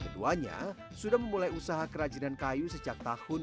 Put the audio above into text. keduanya sudah memulai usaha kerajinan kayu sejak tahun dua ribu